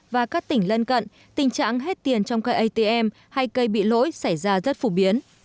và các tỉnh lân cận tình trạng hết tiền trong cây atm hay cây bị lỗi xảy ra rất phổ biến